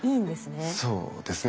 そうですね。